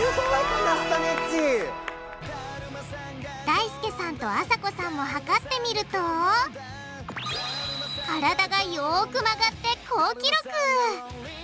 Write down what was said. だいすけさんとあさこさんも測ってみると体がよく曲がって好記録！